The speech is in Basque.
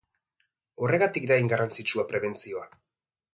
Horregatik da hain garrantzitsua prebentzioa.